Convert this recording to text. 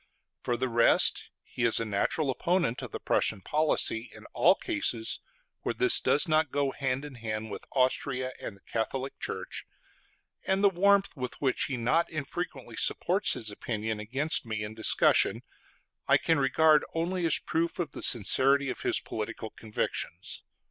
For the rest, he is a natural opponent of the Prussian policy in all cases where this does not go hand in hand with Austria and the Catholic Church; and the warmth with which he not infrequently supports his opinion against me in discussion, I can regard only as a proof of the sincerity of his political convictions.